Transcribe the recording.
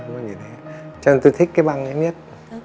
cho nên tôi thích cái băng ấy nhất